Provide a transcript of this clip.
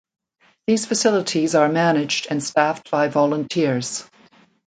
These facilities are managed and staffed by volunteers.